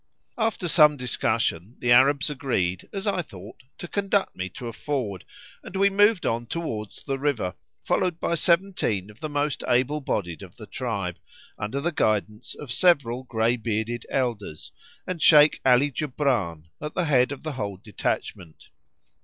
After some discussion the Arabs agreed, as I thought, to conduct me to a ford, and we moved on towards the river, followed by seventeen of the most able bodied of the tribe, under the guidance of several grey bearded elders, and Sheik Ali Djoubran at the head of the whole detachment.